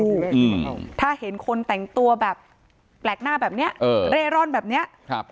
อืมถ้าเห็นคนแต่งตัวแบบแปลกหน้าแบบเนี้ยเออเร่ร่อนแบบเนี้ยครับ